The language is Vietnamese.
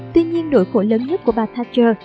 tuy nhiên nỗi khổ lớn nhất của bà thatcher